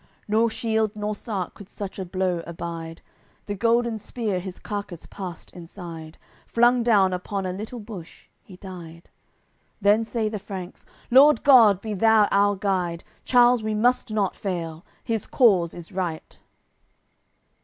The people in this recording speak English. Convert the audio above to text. Nor shield nor sark could such a blow abide; The golden spear his carcass passed inside; Flung down upon a little bush, he died. Then say the Franks: "Lord God, be Thou our Guide! Charles we must not fail; his cause is right."